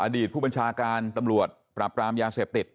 อดีตผู้บัญชาการตำรวจปราบรามยาเสพติด